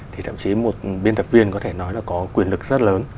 thì thậm chí một biên tập viên có thể nói là có quyền lực rất lớn